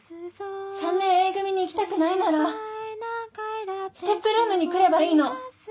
・３年Ａ組に行きたくないならＳＴＥＰルームに来ればいいの。